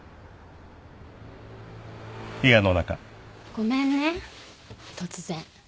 ごめんね突然。